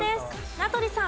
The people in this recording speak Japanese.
名取さん。